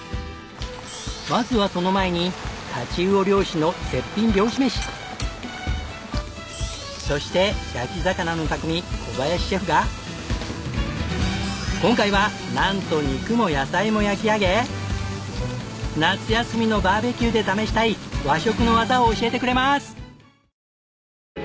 まずはその前に太刀魚漁師のそして焼き魚の匠小林シェフが今回はなんと肉も野菜も焼き上げ夏休みのバーベキューで試したい和食の技を教えてくれます！